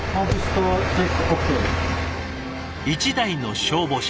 １台の消防車。